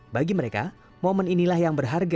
bagi mereka momen inilah yang berharga